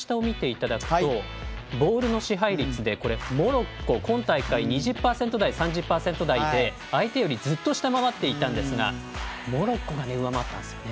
ボールの支配率でモロッコ、今大会２０％台３０％台で、相手よりずっと下回っていたんですがモロッコが上回っていますね。